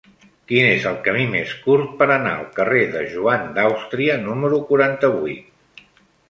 Quin és el camí més curt per anar al carrer de Joan d'Àustria número quaranta-vuit?